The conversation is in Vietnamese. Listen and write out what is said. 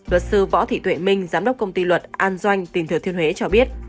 luật sư võ thị minh giám đốc công ty luật an doanh tỉnh thừa thiên huế cho biết